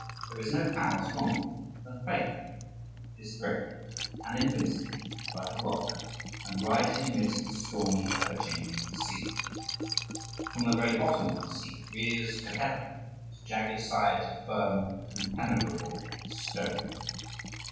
There is no power stronger than faith. It is threatening and invincible like a rock, and rising amidst the stormy, ever changing sea. From the very bottom of the sea it rears to heaven its jagged sides of firm, impenetrable stone.